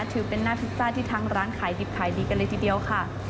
ถือเป็นหน้าพิซซ่าที่ทางร้านขายดิบขายดีกันเลยทีเดียวค่ะ